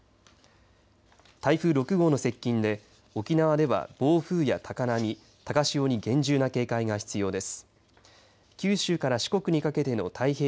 台風６号の接近で沖縄では暴風や高波高潮に厳重な警戒が必要です。